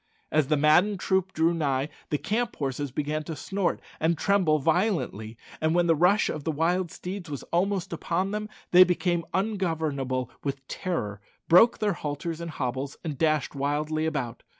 As the maddened troop drew nigh, the camp horses began to snort and tremble violently, and when the rush of the wild steeds was almost upon them, they became ungovernable with terror, broke their halters and hobbles, and dashed wildly about.